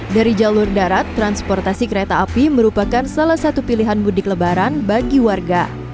dari jalur darat transportasi kereta api merupakan salah satu pilihan mudik lebaran bagi warga